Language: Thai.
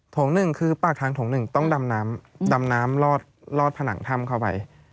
หนึ่งคือปากทางโถงหนึ่งต้องดำน้ำดำน้ำลอดผนังถ้ำเข้าไป